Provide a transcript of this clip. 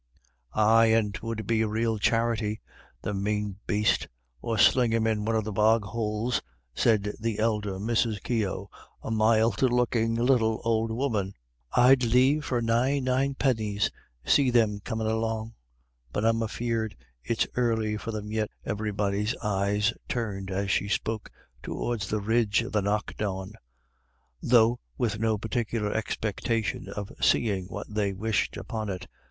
"Aye, and 'twould be a real charity the mane baste; or sling him in one of the bog houles," said the elder Mrs. Keogh, a mild looking little old woman. "I'd liefer than nine nine pennies see thim comin' along. But I'm afeard it's early for thim yet." Everybody's eyes turned, as she spoke, toward the ridge of the Knockawn, though with no particular expectation of seeing what they wished upon it.